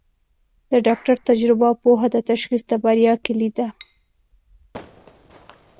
د ډاکټر تجربه او پوهه د تشخیص د بریا کلید ده.